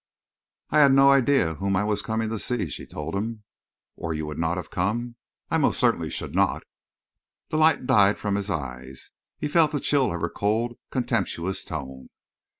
"I had no idea whom I was coming to see," she told him. "Or you would not have come?" "I most certainly should not." The light died from his eyes. He felt the chill of her cold, contemptuous tone.